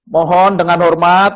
mohon dengan hormat